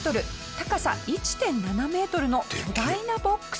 高さ１．７メートルの巨大なボックス。